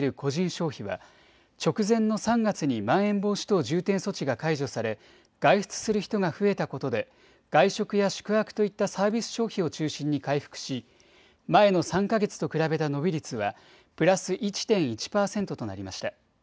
消費は直前の３月にまん延防止等重点措置が解除され外出する人が増えたことで外食や宿泊といったサービス消費を中心に回復し前の３か月と比べた伸び率はプラス１．１％となりました。